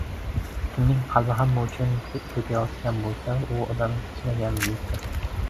Kimning qalbi hamma uchun tepayotgan bo‘lsa, u odam chinakam buyukdir.